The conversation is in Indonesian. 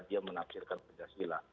dia menafsirkan pancasila